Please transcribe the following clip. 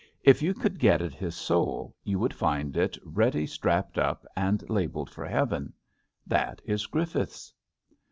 If you could get at his soul you would find it ready , strapped up and labelled for heaven. That is Griffiths.